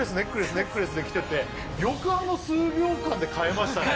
「ネックレス」できててよくあの数秒間で変えましたね